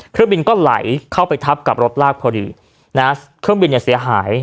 เครื่องบินก็ไหลเข้าไปทับกับรถลากพอดีนะฮะเครื่องบินเนี่ยเสียหาย